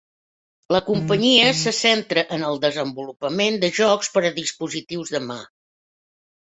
La companyia se centra en el desenvolupament de jocs per a dispositius de mà.